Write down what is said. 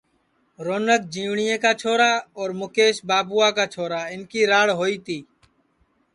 رونک رجیوٹؔیں چھورا اور مُکیش بابوا کا چھورا اِن کی راڑ ہوئی تی